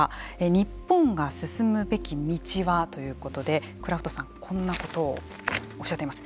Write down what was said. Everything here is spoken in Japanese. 「日本が進むべき道は？」ということでクラフトさん、こんなことをおっしゃっています。